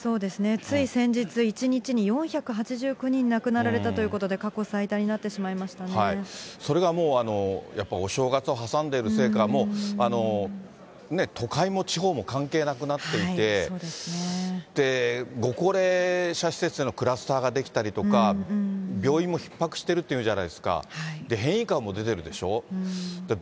つい先日、１日に４８９人亡くなられたということで、それがもう、やっぱりお正月を挟んでいるせいか、もう都会も地方も関係なくなっていて、ご高齢者施設でクラスターができたりとか、病院もひっ迫しているっていうじゃないですか、変異株も出てるでしょ。